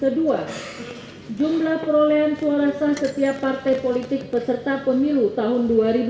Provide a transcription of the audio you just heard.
kedua jumlah perolehan suara sah setiap partai politik peserta pemilu tahun dua ribu dua puluh